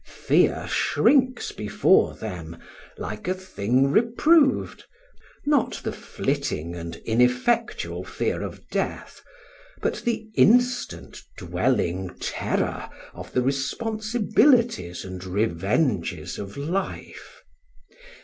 Fear shrinks before them "like a thing reproved," not the flitting and ineffectual fear of death, but the instant, dwelling terror of the responsibilities and revenges of life.